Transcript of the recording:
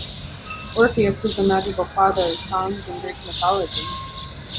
Orpheus was the magical father of songs in Greek mythology.